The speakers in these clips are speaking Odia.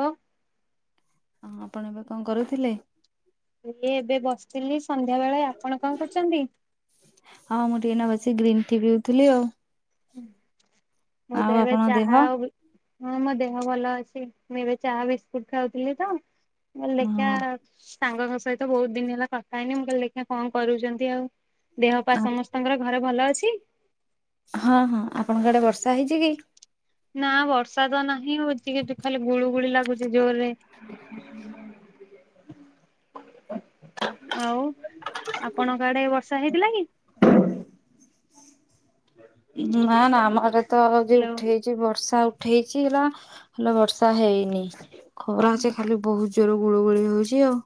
ଅଁ। ହ ଆପଣ ଏବେ କଣ କରୁଥିଲେ? ଇଏ ଏବେ ବସିଥିଲି ସନ୍ଧ୍ୟା ବେଳେ ଆପଣ କଣ କରୁଛନ୍ତି? ସେ ଗ୍ରୀନ୍ ଟି ପିଉଥିଲି ଆଉ। ମୁଁ ଆଉ ତ ଏବେ ଆପଣଙ୍କ ଦେହ ଚାହା ଆଉ ବିସ୍ ହଁ ମୋ ଦେହ ଭଲ ଅଛି ମୁଁ ଏବେ ଚା ବିସ୍କୁଟ ଖାଉଥିଲି ତ। ମୁଁ କହିଲି ହଁ ଦେଖିଆ ସହଙ୍କ ସହି ସହିତ ବହୁତ ଦିନ ହେଲା କଥା ହେଇନି, ମୁଁ କହଲି ଲେଖ କଣ କରୁଛନ୍ତି, ଆଉ ଦେହ ପା ସମସ୍ତଙ୍କର ଘରେ ଭଲ ଅଛି? ହଁ ହଁ ଆପଣଙ୍କ ଆଡେ ବର୍ଷା ହେଇଛି କି? ନା ବର୍ଷା ତ ନାହିଁ ହଉଚି କି ଖାଲି ଗୁଳୁ ଗୁଳି ଲାଗୁଛି। ଜୋରେରେ। ଆଉ ଆପଣଙ୍କ ଆଡେ ବର୍ଷା ହେଇଥିଲା କି? ନା ନା ଆମର ତ ଯ ହ୍ୟାଲୋ। ଉଠେଇଛି ବର୍ଷା ଉଠ ଉଠେଇଛି ହେଲା ହେଲେ ବର୍ଷା ହେଇନି ଖବର ଅଛି ଖାଲି ବହୁତ ଜୋର ଗୁଳୁ ଗୁଳି ହଉଛି ଆଉ।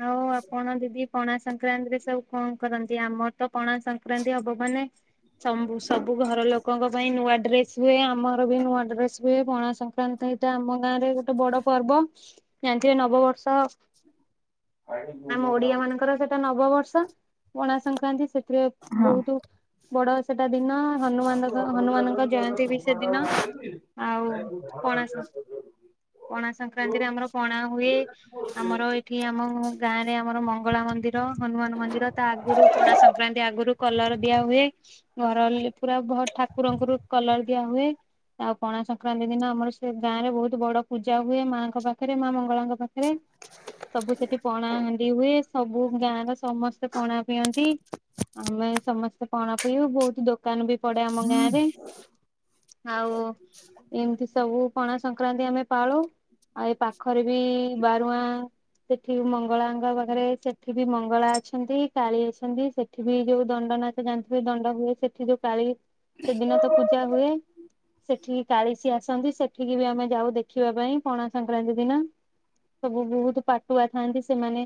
ହଉ ଆପଣ ଦିଦି ପଣା ସଂକ୍ରାନ୍ତିରେ ସବୁ କଣ କରନ୍ତି ଆମର ତ ପଣା ସଂକ୍ରାନ୍ତି ହବ ମାନେ ସବୁ ସବୁ ଘର ଲୋକଙ୍କ ପାଇଁ ନୂଆ ଡ୍ରେସ ହୁଏ, ଆମର ବି ନୂଆ ଡ୍ରେସ ହୁଏ ପଣା ସଂକ୍ରାନ୍ତି ଏଇଟା ଆମ ଗାଁରେ ଗୋଟେ ବଡ ପର୍ବ ଯାହାତିରେ ନବବର୍ଷ [inaudible] ଆମ ଓଡିଆ ମାନଙ୍କର ସେଟା ନବବର୍ଷ ପଣା ସଂକ୍ରାନ୍ତି ସେଥିରେ ବହୁତ ବଡ ସେଟା ଦିନ ହନୁମାନ [inaudible] ହନୁମାନଙ୍କ ନାଇଁ ଜୟନ୍ତୀ ବି ସେଦିନ ଭଲ ଆଉ ଅଭ୍ୟାସ ପଣା ସଂ କର। ପଣା ସଂକ୍ରାନ୍ତିରେ ଆମର ପଣା ହୁଏ ଆମର ଏଠି ଆମ ଗାଁ ରେ ଆମର ମଙ୍ଗଳା ମନ୍ଦିର ହନୁମାନ ମନ୍ଦିର ତା ଆଗରୁ କୋଣା ସଂକ୍ରାନ୍ତି ଆଗରୁ କଲର ଦିଆ ହୁଏ ଘର ପୁରା ଠାକୁରଙ୍କର କଲର ଠିଆ ହୁଏ। ଆଉ ପଣା ସଂକ୍ରାନ୍ତି ଦିନ ଆମର, ସେ ଗାଁ ରେ ବହୁତ ବଡ ପୂଜା ହୁଏ। ମାଆଙ୍କ ପାଖରେ ପାଖରେ। ମା ମଙ୍ଗଳାଙ୍କ ପାଖରେ ସବୁ ସେଠି ପଣା ହାଣ୍ଡି ହୁଏ। ସବୁ ଗାଁ ର ସମସ୍ତେ ପଣା ପିଅନ୍ତି ଆମେ ସମସ୍ତେ ପଣା ପଡିବୁ। ବହୁତ ଦୋକାନ ବି ପଡେ ଆମ ଗାଁରେ ଆଉ, ଏମିତି ସବୁ ପଣା ସଂକ୍ରାନ୍ତି ଆମେ ପାଳୁ ଆଉ ଏ ପାଖରେ ବି, ବାରୁଆଁ ସେଠି ମଙ୍ଗଳା ପାଖରେ। ସେଠି ବି ମଙ୍ଗଳା ଅଛନ୍ତି, କାଳୀ ଅଛନ୍ତି। ସେଠି ସେଠି ବି ଯୋଉ ଦଣ୍ଡନାଚ ଜାଣିଥିବେ, ଦଣ୍ଡ ହୁଏ। ସେଠି ଯୋଉ କାଳି। ସେଦିନ ତ ପୂଜା ହୁଏ ସେଠିକି କାଳିଶୀ ଆସନ୍ତି। ସେଠିକି ବି ଆମେ ଯାଉ ଦେଖିବା ପାଇଁ। ପଣା ସଂକ୍ରାନ୍ତି ଦିନ ସବୁ ବହୁତ ପାଟୁଆ ଥାନ୍ତି, ସେମାନେ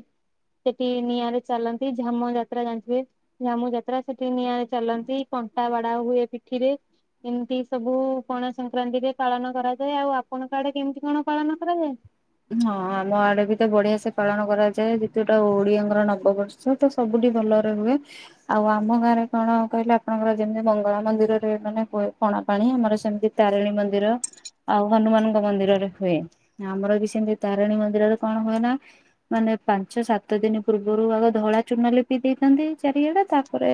ସେଠି ନିଆଁରେ ଚାଲନ୍ତି। ଝାମୁ ଯାତ୍ରା ଜାଣିଥିବେ। ଝାମୁ ଯାତ୍ରା ସେଠି ନିଆଁରେ ଚାଲନ୍ତି। କଣ କଣ୍ଟା ବଡା ହୁଏ ପିଠିରେ ଏମିତି ସବୁ, ପଣା ସଂକ୍ରାନ୍ତିରେ ପାଳନ କରାଯାଏ। ଆଉ ଆପଣଙ୍କ ଆଡେ, କେମତି କଣ ପଳନ କରାଯଏ? ହଁ। ଆମ ଆଡେ ବି ତ, ବଢିଆ ସେ ପାଳନ କରାଯାଏ। ଯେହେତୁ ଏଟା, ଓଡିଆଙ୍କର ନବବର୍ଷ। ତ ସବୁ ଭଲରେ ହୁଏ। ଆଉ ଆମ ଗାଁରେ କଣ କହିଲେ। ଆପଣଙ୍କର ଯେମିତି ମଙ୍ଗଳା ମନ୍ଦିରରେ, ମାନେ ପଣା ପାଣି। ଆମର ସେମତି ତାରିଣୀ ମନ୍ଦିର ଆଉ ହନୁମାନଙ୍କ ମନ୍ଦିରରେ ହୁଏ। ଆମର ବି ଏଠି ତାରିଣୀ ମନ୍ଦିରରେ କଣ ହୁଏ ନା। ମାନେ ପାଞ୍ଚ ସାତ ଦିନ ପୂର୍ବରୁ, ଆଗ ଧଳା ଚୁନ ଲି ଦେଇଥାନ୍ତି ଚାରିଗଡା। ତାପରେ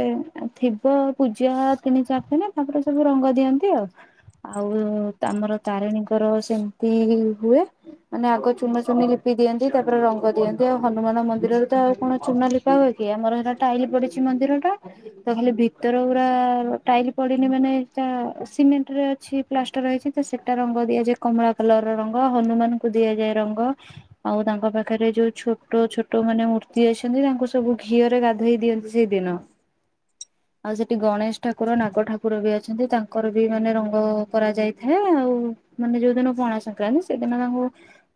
ଥିବ ପୂଜା ତିନି ଚାରି ଦିନ ତାପରେ, ସବୁ ରଙ୍ଗ ଦ ଦିଅନ୍ତି ଆଉ। ଆଉ ଆମର ତାରିଣୀଙ୍କର, ସେମିତି ହୁଏ ମାନେ ଆଗ ଚୁନ ଚୁନୀ ଲିପି ଦିଅନ୍ତି ତାପରେ ରଙ୍ଗ ଦିଅନ୍ତି ଆଉ ହନୁମାନ ମନ୍ଦିରରେ ତ, ଆଉ କଣ ଚୁନ ଲିପା ହୁଏ କି? ଆମର ସେଟା ଟାଇଲ ପଡିଛି ମନ୍ଦିର ଟା ତ ଖାଲି ଭିତର ଗୁରା ଟାଇଲ ପଡିନି ମାନେ। ସିମେଣ୍ଟ ରେ ଅଛି ପ୍ଲାଷ୍ଟର ର ହେଇଛି ତ ସେଇଟା ରଙ୍ଗ ଦିଆ ଯାଏ କମଳା କଲର ରଙ୍ଗ ହନୁମାନ। ଙ୍କୁ ଦିଆଯାଏ ରଙ୍ଗ ଆଉ ତାଙ୍କ ପାଖରେ ଯୋଉ, ଛୋଟ ଛୋଟ ମାନେ ମୂର୍ତ୍ତି ଅଛନ୍ତି ତାଙ୍କୁ ସ ସବୁ ଘିଅରେ ଗାଧୋଇ ଦିଅନ୍ତି ସେଦିନ। [inaudible] ଆଉ ସେଠି ଗଣେଶ ଠାକୁର, ନାଗ ଠାକୁର ବି ଅଛନ୍ତି। ତାଙ୍କର ବି, ମାନେ ରଙ୍ଗ କରା ଯାଇ ଥାଏ ଆଉ। ମାନେ ଯୋଉ ଦିନ ପଣା ସଂକ୍ରାନ୍ତି ସେଦିନ ତାଙ୍କୁ।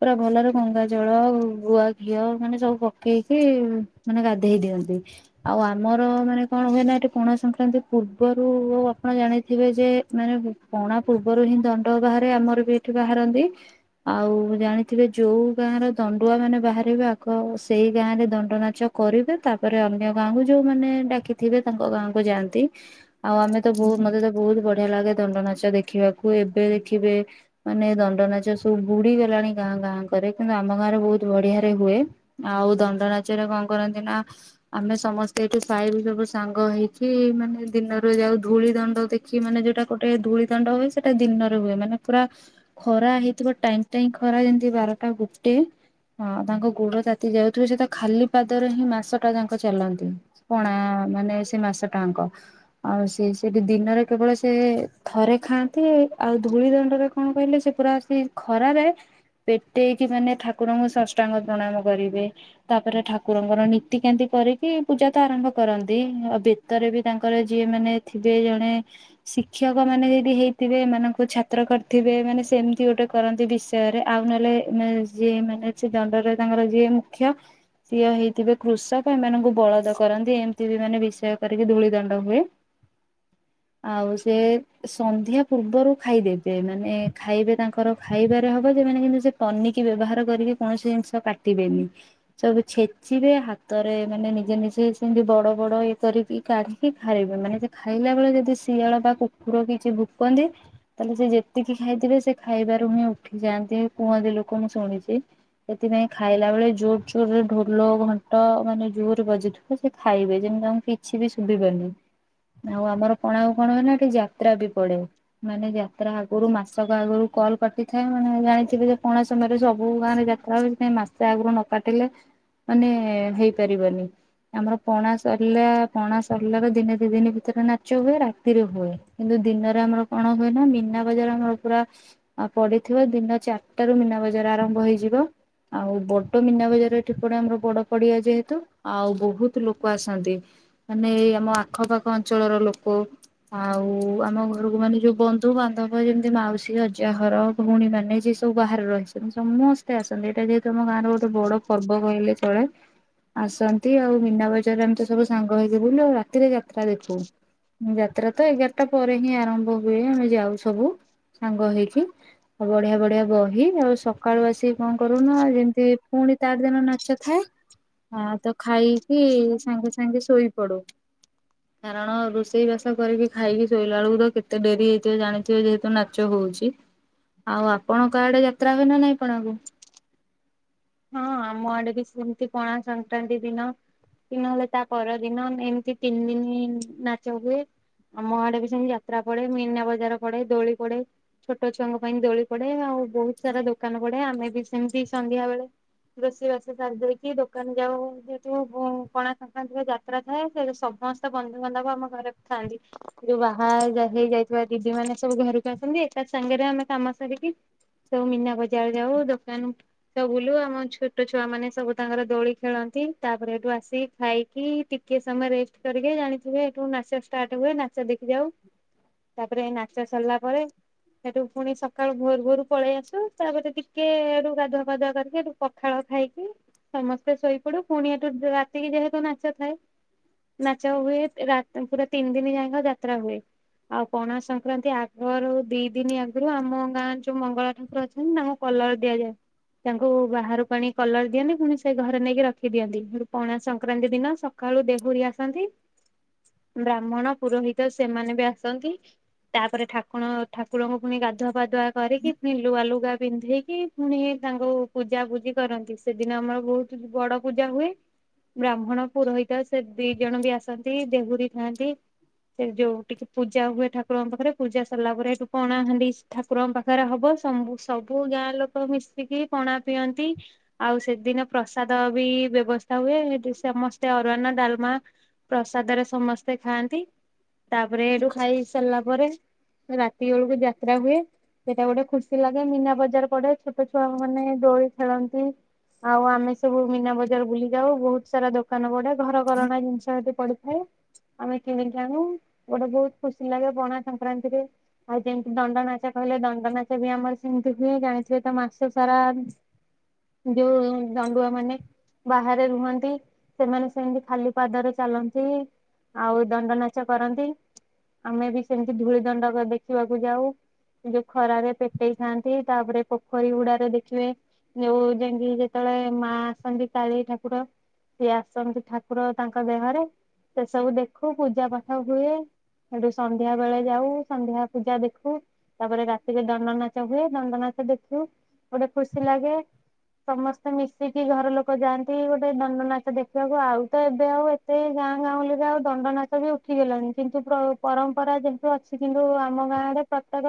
ପୁରା ଭଲରେ ଗଙ୍ଗା ଜଳ, ଗୁଆ ଘିଅ, ମାନେ ସବୁ ପକେଇକି, ମାନେ ଗାଧେଇ ଦିଅନ୍ତି ଆଉ ଆମର ମାନେ କଣ ହୁଏ ନା ଏଠି ପଣା ସଂକ୍ରାନ୍ତି ପୂର୍ବରୁ, ଆପଣ ଜାଣିଥିବେ। ଯେ, ମାନେ ପଣା ପୂର୍ବରୁ ହିଁ ଦଣ୍ଡ ବାହାରେ ଆମର ବି ଏଠି ବାହାରନ୍ତି ଆଉ। ଜାଣିଥିବେ ଯୋଉ ଗାଁର ଦଣ୍ଡୁଆ ମାନେ ବାହାରିବେ ଆଗ ସେଇ ଗାଁ ରେ ଦଣ୍ଡ ନାଚ କରିବେ ତା ତାପରେ ଅନ୍ୟ ଗାଁକୁ ଯୋଉମାନେ ଡାକିଥିବେ ତାଙ୍କ ଗାଁକୁୁ ଯାଆନ୍ତି ଆଉ ଆମେ ତ ବହୁତ ମତେ ତ ବହୁତ। ବହୁତ ବଢିଆ ଲାଗେ ଦଣ୍ଡ ନାଚ ଦେଖିବାକୁ ଏବେ ଦେଖିବେ, ମାନେ ଦଣ୍ଡ ନାଚ ସବୁ ବୁଡି ଗ ଲାଣି ଗାଁ ଗାଁ କରେ କିନ୍ତୁ ଆମ ଗାଁରେ ବହୁତ ବଢିଆରେ ହୁଏ। ଆଉ ଦଣ୍ଡ ନାଚରେ କଣ କରନ୍ତି ନା। ଆମେ ସମସ୍ତେ, ଏଠି ସାଇ ଭିତରୁ ସାଙ୍ଗ ହେଇକି ମାନେ ଦିନରୁ ଯାଉ ଧୂଳି ଦଣ୍ଡ ଦେଖି। ମାନେ ଯୋଉଟା, ଗୋଟେ ଧୂଳି ଦଣ୍ଡ ହୁଏ ସେଇଟା ଦିନରେ ହୁଏ ମାନେ ପୁରା ଖରା ହେଇଥିବ ଟାଇଁ। ଟାଇଁ ଖରା ଯେମିତି, ବାରଟା ଗୋଟେ। ହଁ ତାଙ୍କ ଗୋଡ ତାତି ଯାଉଥିବ ସେତ ଖାଲି ପାଦରେ ହିଁ ମାସ ଟା ତାଙ୍କ ଚାଲନ୍ତି ପଣା ମାନେ ସେ ମାସ ଟାଙ୍କ ଆଉ ସେ ସେଠି ଦିନରେ କେବଳ ସେ ଥରେ ଖାଆନ୍ତି। ଆଉ ଧୂଳି ଦଣ୍ଡରେ କଣ କହିଲେ, ସେ ପୁରା ସେ ଖରାରେ ପେଟେଇକି, ମାନେ ଠାକୁରଙ୍କୁ ଷଷ୍ଟାଙ୍ଗ ପ୍ରଣାମ କରିବେ। ତାପରେ ଠାକୁରଙ୍କ ର ନୀତିକାନ୍ତି କରିକି, ପୂଜା ତ ଆରମ୍ଭ କରନ୍ତି ଆଉ ବେତରେ ବି ତାଙ୍କର ଯିଏ, ମାନେ ଥିବେ। ଜଣେ ଶିକ୍ଷକ ମାନେ, ଯଦି ହେଇଥିବେ ଏମାନାନ ଙ୍କୁ ଛାତ୍ର କରିଥିବେ ମାନେ ସେମିତି ଗୋଟେ। କରନ୍ତି ବିଷୟରେ ଆଉ ନହେଲେ ମେ ଯିଏ ମାନେ ସେ ଦଣ୍ଡରେ, ତାଙ୍କର ଯିଏ ମୁଖ୍ୟ। ସିଏ ହେଇଥିବେ କୃଷକ, ଏମାନଙ୍କୁ ବଳଦ କରନ୍ତି ଏମିତି ବି ମାନେ ବିଷୟ କରିକି ଧୂଳି ଦଣ୍ଡ ହୁଏ। [inaudible] ଆଉ, ସେ ସନ୍ଧ୍ୟା ପୂର୍ବରୁ ଖାଇଦେବେ ମାନେ ଖାଇବେ, ତାଙ୍କର। ଖାଇବାରେ ହବ ସେମାନେ କିନ୍ତୁ ସେ ପନିିକି ବ୍ୟବହାର କରିକି, କୌଣସି ଜିନିଷ କାଟିବେନି ସବୁ ଛେ ଚିବେ ହାତରେ ମାନେ ନିଜେ ନିଜେ ସେ ସେମତି ବଡ ବଡ ଇଏ କରିକି କାଢିକି ଖାଇିବେ ମାନେ ଖାଇ ଖାଇଲା ବେଳେ ଯଦି ଶିଆଳ ବା କୁକୁର କିଛି ଭୁକନ୍ତି ତା ହେଲେ ସେ ଯେତିକି ଖାଇଥିବେ ସେ ଖାଇବା ରୁ ହିଁ ଉଠି ଯାଆନ୍ତି କୁହନ୍ତି ଲୋକ ମୁଁ ଶୁଣିଚି। ସେଥିପାଇଁ ଖାଇଲା ବେଳେ ଜୋର ଜୋରରେ ଢୋଲ, ଘଣ୍ଟ ମାନେ ଜୋର ବାଜୁଥିବ ସେ ଖାଇବେ ଯେମିତି। ତାଙ୍କୁ କିଛି ବି ଶୁଭି ବନି। ଆଉ ଆମର କଣ ଆଉ କଣ ହୁଏ ନା ଏଠି ଯାତ୍ରା ବି ପଡ଼େ ମାନେ ଯାତ୍ରା ଆଗରୁ ମାସକ ଆଗରୁ କଲ। କଟିଥାଏ ମାନେ ଜାଣିଥିବେ ଯେ ପଣା ସମୟରେ ସବୁ ହୁଁ ଗାଁରେ ହୁଁ। ଯାତ୍ରା ହୁଏ ସେଥିପାଇଁ ମାସେ ଆଗରୁ ନ କାଟିଲେ। ମାନେ ହେଇ ପାରିବନି। ଆମର ପଣା ସରିଲା ପଣା ସରିଲାର ଦିନେ ଦି ଦିନି ଭିତରେ ନାଚ ହୁଏ ରାତିରେ ହୁଏ କିନ୍ତୁ। ଦିନରେ ଆମର କଣ ହୁଏ ନା ମୀନା ବଜାର ଆମର ପୁରା। ଆଉ ପଡିଥିବ ଦିନ ଚାରିଟାରୁ ମୀନା ବଜାର ଆରମ୍ଭ ହେଇଯିବ। ଆଉ ବଡ଼ ମୀନା ବଜାର ଏଠି ପଡ଼େ ଆମର ବଡ଼ ପଡ଼ିଆ ଯେହେତୁ ଆଉ ବହୁତ ଲୋକ ଆସନ୍ତି। ମାନେ ଏଇ ଆମ ଆଖପାଖ ଅଞ୍ଚଳର ଲୋକ। ଆଉ ଆମ। ଅଜା ଘର ଭଉଣୀ ମାନେ ଯିଏ ସବୁ ବାହାରେ ରହିଛନ୍ତି ସମସ୍ତେ ଆସନ୍ତି ଏଇଟା ଯେହେତୁ ଆମ ଗାଁ ର ଗୋଟେ ବଡ ପର୍ବ। କହିଲେ ଚଳେ। ଆସନ୍ତି ଆଉ ମୀନା ବଜାରରେ ଆମେ ତ ସବୁ ସାଙ୍ଗ ହେଇକି ବୁଲୁ ଆଉ ରାତିରେ ଯାତ୍ରା ଦେଖୁ। ଯାତ୍ରା ତ ଏଗାର ଟା ପରେ ହିଁ ଆରମ୍ଭ ହୁଏ ଆମେ ଯାଉ ସବୁ ସାଙ୍ଗ ହେଇକି। ଆଉ ବଢ଼ିଆ ବଢ଼ିଆ ବହି ଆଉ ସକାଳୁ ଆସି କଣ କରୁନା ଯେମିତି ପୁଣି ତା ଆର ଦିନ ନାଚ ଥାଏ। ହଁ ତ ଖାଇକି ସାଙ୍ଗେ ସାଙ୍ଗେ ଶୋଇ ପଡ଼ୁ। କାରଣ ରୋଷେଇ ବାସ କରିକି ଖାଇକି ଶୋଇଲା ବେଳକୁ ତ କେତେ ଡେରି ହେଇଥିବ ଜାଣିଥିବେ ଯେହେତୁ ନାଚ ହଉ ହଉଛି। ଆଉ ଆପଣଙ୍କ ଆଡ଼େ ଯାତ୍ରା ହୁଏ ନା ନାଇଁ ପଣା କୁ? ହଁ ଆମ ଆଡ଼େ ବି ସେମିତି ପଣା ସଂକ୍ରାନ୍ତି ଦିନ କି ନହେଲେ ତା ପରଦିନ ଏମିତି ତିନି ଦିନ ନାଚ ହୁଏ ଆମ ଆଡ଼େ ବି ସେମିତି ଯାତ୍ରା ପଡ଼େ ମୀନା ବଜାର ପଡ଼େ ଦୋଳି ପଡ଼େ। ଛୋଟ ଛୁଆଙ୍କ ପାଇଁ ଦୋଳି ପଡ଼େ ଆଉ ବହୁତ ସାରା ଦୋକାନ ପଡ଼େ ଆମେ ବି ସେମିତି ସନ୍ଧ୍ୟା ବେଳେ ରୋଷେଇ ବାସ ସାରି ଦେଇକି ଦୋକ ସମସ୍ତ ବନ୍ଧୁବାନ୍ଧବ ଆମ ଘରକୁ ଥାଆନ୍ତି ଯୋଉଁ ବାହା ହେଇ ଯାଇଥିବା ଦିଦି ମାନେ ସବୁ ଘରକୁ ଏକା ସାଙ୍ଗରେ ଆମେ କାମ ସରିକି ସବୁ ମୀନା ବଜାର ଯାଉ, ଦୋକାନ ସବୁ ବୁଲୁ ହଁ ଛୋଟ ଛୁଆ ମାନେ ସବୁ ତାଙ୍କର ଦୋଳି ଖେଳନ୍ତି ତାପରେ ସେଠୁ ଆସିକି ଖାଇକି ଟିକେ ସମୟ ରେଷ୍ଟ କରିକ ଜାଣିଥିବେଠୁ ନାଚ ଷ୍ଟାର୍ଟ ହୁଏ। ନାଚ ଦେଖି ଯାଉ। ତାପରେ ଏଇ ନାଚ ସରଲା ପରେ ସେଠୁ ପୁଣି ସକାଳୁ ଭୋରୁ ଭୋରୁ ପଳେଇ ଆସୁ ତାପରେ ଟିକେ ଏଠୁ ଗାଧୁଆ ଫାଧୁଆ କରିକି ସେଠୁ ପଖାଳ ଖାଇକି ସମସ୍ତେ ଶୋଇ ପଡ଼ୁ ପୁଣି ସେଠୁ ରାତିକି ଯେହେତୁ ନାଚ ଥାଏ ନାଚ ହୁଏ ପୁରା ତିନି ଦିନ ଯାକ ଯାତ୍ରା ହୁଏ। ଆଉ ପଣା ସଂକ୍ରାନ୍ତି ଆଗରୁ ଦି ଦିନି ଆଗରୁ ଆମ ଗାଁ ଯୋଉ ମଙ୍ଗଳା ଠାକୁର ଅଛନ୍ତି ଆମ କଲର ଦିଆଯାଏ ତାଙ୍କୁ ବାହାରକୁ ଆଣିକି କଲର ଦିଅନ୍ତି ପୁଣି ସେ ଘରେ ନେଇକି ରଖି ଦିଅନ୍ତି। ପଣା ସଂକ୍ରାନ୍ତି ଦିନ ସକାଳୁ ଦେହୁରୀ ଆସନ୍ତି ଆସନ୍ତି ବ୍ରାହ୍ମଣ ପୁରୋହିତ ସେମାନେ ବି ଆସନ୍ତି ତାପରେ ଠାକୁର ଠାକୁରଙ୍କୁ ପୁଣି ଗାଧୁଆ ପାଧୁଆ କରିକି ପୁଣି ନୂଆ ଲୁଗା ପିନ୍ଧେଇକି ପୁଣି ତାଙ୍କୁ ପୂଜା ପୂଜି କରନ୍ତି। ସେଦିନ ଆମର ବହୁତ ବଡ଼ ପୂଜା ହୁଏ। ବ୍ରାହ୍ମଣ ପୁରୋହିତ ସେ ଦି ଜଣ ବି ଆସନ୍ତି, ଦେହୁରୀ ଥାନ୍ତି ସେ ଯୋଉଁ ଟିକେ ପୂଜା ହୁଏ ଠାକୁରଙ୍କ ପାଖରେ ପୂଜା ସରିଲା ପରେ ସେଠୁ ପଣାହାଣ୍ଡି ଠାକୁରଙ୍କ ପାଖରେ ହବ ସବୁ ସବୁ ଗାଁ ଲୋକ ମିଶିକି ପଣା ପିଅନ୍ତି। ଆଉ ସେଦିନ ପ୍ରସାଦ ବି ବ୍ୟବସ୍ଥା ହୁଏ ସେଠୁ ସମସ୍ତେ ଅରୁଆ ଡାଲମା ପ୍ରସାଦରେ ସମସ୍ତେ ଖାଆନ୍ତି ତାପରେ ଏଇଠୁ ଖାଇ ସାରିଲା ପରେ [unintelligible] ରାତି ବେଳକୁ ଯାତ୍ରା ହୁଏ ସେଟା ଗୋଟେ ଖୁସି ଲାଗେ ମୀନା ବଜାର ପଡ଼େ ଛୋଟ ଛୁଆ ମାନେ ଦୋଳି ଖେଳନ୍ତି ଆଉ ଆମେ ସବୁ ମୀନା ବଜାର ବୁଲି ଯାଉ ବହୁତ ସାରା ଦୋକାନ ପଡ଼େ ଘର କରଣା ଜିନିଷ ସେଠି ପଡ଼ି ଥାଏ। ଆମେ କିଣିକି ଆଣୁ ଗୋଟେ ବହୁତ ଖୁସି ଲାଗେ ପଣା ସଂକ୍ରାନ୍ତିରେ ଆଉ ଯେମିତି ଦଣ୍ଡ ନାଚ କରେ ଦଣ୍ଡ ନାଚ ବି ଆମର ସେମିତି ହୁଏ ଜାଣିଥିବେ ତ ମାସ ସାରା ଯୋଉ ଦଣ୍ଡୁଆ ମାନେ ବାହାରେ ରୁହନ୍ତି। ସେମାନେ ସେମିତି ଖାଲି ପାଦରେ ଚାଲନ୍ତି! ଆଉ ଦଣ୍ଡ ନାଚ କରନ୍ତି ଆମେ ବି ସେମିତି ଧୂଳି ଦଣ୍ଡ ଦେଖିବାକୁ ଯାଉ ଯୋଉଁ ଖରାରେ ପେଟେଇ ଥାଆନ୍ତି ତାପରେ ପୋଖରୀ ହୁଡା ଦେଖିବେ ଯୋଉଁ ଯାଇକି ଯେତେବେଳେ ମା ଆସନ୍ତି କାଳୀ ଠାକୁର ସିଏ ଆସନ୍ତି ଠାକୁର ତାଙ୍କ ଦେହରେ ସେ ସବୁ ଦେଖୁ ପୂଜା ପାଠ ହୁଏ। ସେଠୁ ସନ୍ଧ୍ୟା ବେଳେ ଯାଉ ସନ୍ଧ୍ୟା ପୂଜା ଦେଖୁ ତାପରେ ରାତିରେ ଦଣ୍ଡନାଚ ହୁଏ ଦଣ୍ଡ ନାଚ ଦେଖୁ ଗୋଟେ ଖୁସି ଲାଗେ। ସମସ୍ତେ ମିଶିକି ଘର ଲୋକ ଯାଆନ୍ତି। ଗୋଟେ ଦଣ୍ଡ ନାଚ ଦେଖିବାକୁ ଆଉ ତ ଏବେ ଆଉ ଏତେ ଗାଁ ଗାଁ ବୁଲି କି ଆଉ ଦଣ୍ଡ ନାଚ ବି ଉଠିଗଲେଣି କିନ୍ତୁ ପରମ୍ପରା ଯେମତି ଅଛି କିନ୍ତୁ ଆମ ଗାଁ ରେ ପ୍ରତ୍ୟତ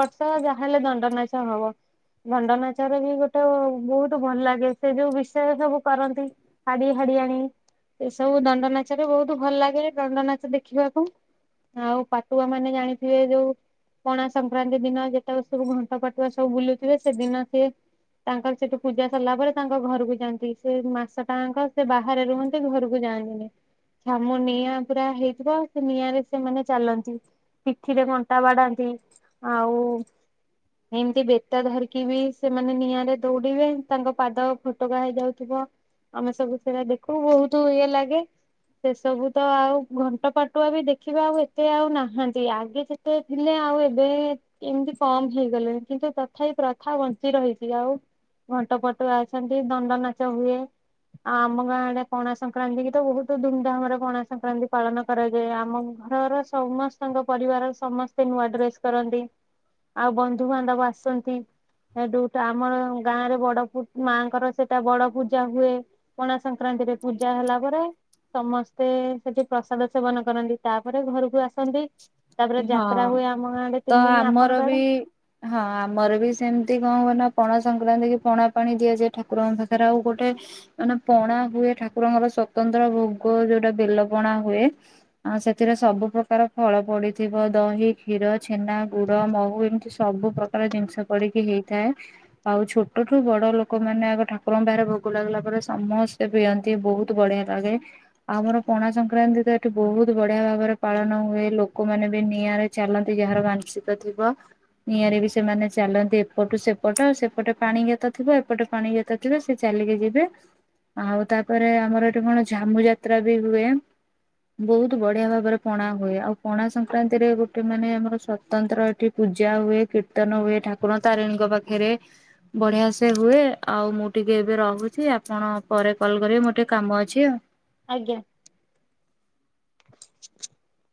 ବର୍ଷା ଯାହାହେଲେ ଦଣ୍ଡନାଚ ହବ। ଦଣ୍ଡନାଚାର ବି ଗୋଟେ ବହୁତ ଭଲ ଲାଗେ ସେ ଯୋଉ ବିଷୟ ସବୁ କରନ୍ତି ହାଡି ହାଡିଆଣି ଣି ଏସବୁ ଦଣ୍ଡ ନାଚରେ ବହୁତ ଭଲ ଲାଗେ ଦଣ୍ଡ ନାଚ ଦେଖିବାକୁ ଆଉ ପାଟୁଆ ମାନେ ଜାଣିଥିବେ ଯୋଉଁ ପଣା ସଂକ୍ରାନ୍ତି ଦିନ ଯେତେ କ ଘଣ୍ଟ ପାଟୁଆ ସବୁ ବୁଲୁଥିବେ ସେଦିନ ସିଏ ତାଙ୍କର ସେଠୁ ପୂଜା ସରିଲା ପରେ ତାଙ୍କ ଘରକୁ ଯାଆନ୍ତି ସେ ମାସ ଟାଙ୍କ ସେ ବାହାରେ ରୁହନ୍ତି ଘରକୁ ଯାନ୍ତି। ଛାମୁ ନିଆଁ ପୁରା ହେଇଥିବ ସେ ନିଆଁ ରେ ସେମାନେ ଚାଲନ୍ତି। ପିଠିରେ କଣ୍ଟା ବାଡାନ୍ତି ଆଉ ଏମିତି ତା ଧରିକି ବି ସେମାନେ ନିଆଁରେ ଦୌଡିବେ। ତାଙ୍କ ପାଦ ଫୋଟକା ହେଇଯାଉଥିବ। ଆମେ ସବୁ ସେରା ଦେଖୁ ବହୁତ ଇଏ ଲାଗେ। ସେ ସବୁ ତ ଆଉ ଘଣ୍ଟ ପାଟୁଆ ବି ଦେଖିବା ଆଉ ଏତେ ଆଉ ନାହାନ୍ତି। ଆଗେ କେତେ ଥିଲେ। ଆଉ ଏବେ ଏମିତି କମ୍ ହେଇଗଲେଣି କିନ୍ତୁ ତ ଥାଇ ପ୍ରଥା ବଞ୍ଚି ରହିଚି। ଆଉ ଘଣ୍ଟ ପାଟୁଆ ଅଛନ୍ତି ଦଣ୍ଡ ନାଚ ହୁଏ। ଆମ ଗାଁଆ ଆଡେ ପଣା ସଂକ୍ରାନ୍ତି କି ତ ବହୁତ ଧୁମଧାମରେ ପଣା ସଂକ୍ରାନ୍ତି ପାଳନ କରାଯାଏ। ଆମ ଘରର ସମସ୍ତଙ୍କ ପରିବାର ସମସ୍ତେ ନୂଆ ଡ୍ରେସ କରନ୍ତି। ଆଉ ବନ୍ଧୁବାନ୍ଧବ ଆସନ୍ତି। ସେ ଦିଟା ଆମର ଗାଁ ରେ ବଡ ପୂ ମାଙ୍କର ସେଟା ବଡ ପୂଜା ହୁଏ। ପଣା ସଂକ୍ରାନ୍ତି। ହେଟି ପୂଜା ହେଲା ପରେ ସମସ୍ତେ ସେଠି ପ୍ରସାଦ ସେବନ କରନ୍ତି। ତାପରେ ଘରକୁ ଆସ ହଁ ଗାଁରେ ତ ତିନି ଦିନ ଆମର ଆପଣଙ୍କ ବି ଆଡେ ହଁ ଆମର ବି ସେ ସେମତି କଣ ହୁ ନା ପଣା ସଂକ୍ରାନ୍ତି କି ପଣା ପାଣି ଦିଆଯାଏ ଠାକୁରଙ୍କ ପାଖରେ। ଆଉ ଗୋଟେ ମାନେ ପଣା ହୁଏ ଠାକୁରଙ୍କର ସୋତନ୍ତ୍ର ଭୋଗ ଯୋଉଟା ବେଲପଣା ହୁଏ। ସେଥିରେ ସବୁ ପ୍ର ପ୍ରକାର ଫଳ ପଡିଥିବ। ଦହି କ୍ଷୀର ଛେନା ଗୁଡ ମହୁ ଏମିତି ସବୁ ପ୍ରକାର ଜିନିଷ ପଡି ହେଇଥାଏ ଆଉ ଛୋଟଠୁ ବଡ ଲୋକ ମାନେ ଆଗ ଠାକୁରଙ୍କ ବାହାରେ ଭୋଗ ଲାଗିଲା ପରେ। ସମସ୍ତେ ପିଅନ୍ତି ବହୁତ ବଢିଆ ଲାଗେ। ଆଉ ଆମର ପଣା ସଂକ୍ରାନ୍ତି ତ ଏଠି ବହୁତ ବଢିଆ ଭାବରେ ପାଳନ ହୁଏ ଲୋକମାନେ ବି ନିଆଁରେ ଚାଲନ୍ତି ଯାହାର ମାନସିକ ଥିବ। ନିଆଁରେ ବି ସେମାନେ ଚାଲନ୍ତି। ଏପଟୁ ସେପଟ ସେପଟେ ପାଣି ଗାତ ଥିବ ଏପଟେ ପାଣି ଗାତ ଥିବ ସେ ଚାଲିକି ଯିବେ। ଆଉ ତାପରେ ଆମର ଏଠି କଣ ଝାମୁ ଯାତ୍ରା ବି ହୁଏ। ବହୁତ ବଢିଆ ଭାବରେ ପଣା ହୁଏ ଆଉ ପଣା ସଂକ୍ରାନ୍ତିରେ ଗୋଟେ ମାନେ ଆମର ସ୍ଵତନ୍ତ୍ର ଏଠି ପୂଜା ହୁଏ କୀର୍ତନ ହୁଏ। ଠାକୁର ତାରିଣୀଙ୍କ ପାଖରେ ବଢିଆ ସେ ହୁଏ ଆଉ ମୁଁ ଟିକେ ଏବେ ରହୁଛି। ଆପଣ ପରେ କଲ କରିବେ ମୋର ଟିକେ କାମ ଅଛି ଆଉ। ଆଜ୍ଞା। [inaudible]